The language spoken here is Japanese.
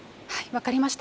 分かりました。